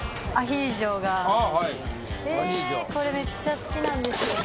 これめっちゃ好きなんですよね。